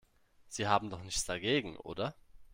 Sie haben doch nichts dagegen, oder?